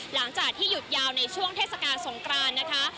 หลังจากที่หยุดยาวในช่วงเทศกาลสงกรานนะคะ